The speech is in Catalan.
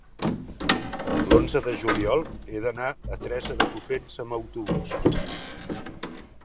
L'onze de juliol he d'anar a Teresa de Cofrents amb autobús.